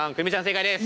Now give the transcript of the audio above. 正解です。